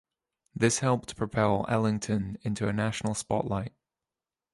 This helped propel Ellington into a national spotlight.